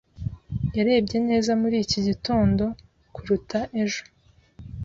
Yarebye neza muri iki gitondo kuruta ejo.